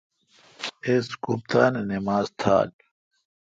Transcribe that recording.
اس کوفتانہ نماز تھال۔